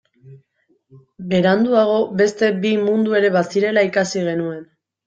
Beranduago beste bi mundu ere bazirela ikasi genuen.